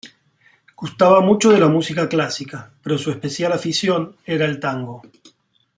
Gustaba mucho de la música clásica, pero su especial afición era el Tango.